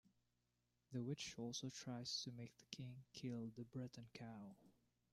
The witch also tries to make the king kill the Breton cow.